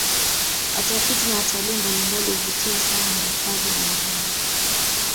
Watafiti na watalii mbalimbali huvutiwa sana na hifadhi ya mahale